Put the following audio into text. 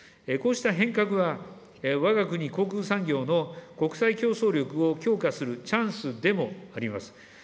こうした変革は、わが国航空産業の国際競争力を強化するチャンスでもあります。